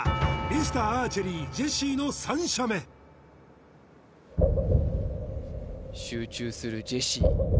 ミスターアーチェリージェシーの３射目集中するジェシー